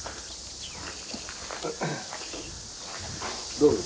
どうぞ。